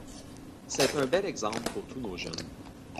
C’est un bel exemple pour tous nos jeunes.